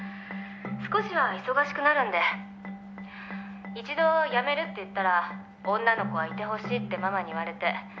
少しは忙しくなるんで」「一度辞めるって言ったら女の子はいてほしいってママに言われて」